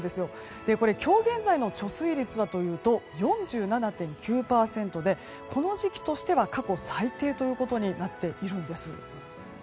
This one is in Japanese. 今日現在の貯水率はというと４７．９％でこの時期としては過去最低ということになっているんです。